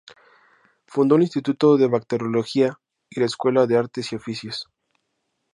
Fundó el Instituto de Bacteriología y la Escuela de Artes y Oficios.